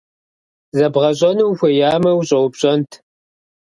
Зэбгъэщӏэну ухуеямэ, ущӏэупщӏэнт.